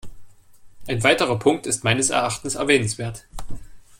Ein weiterer Punkt ist meines Erachtens erwähnenswert.